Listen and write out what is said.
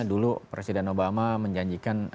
dulu presiden obama menjanjikan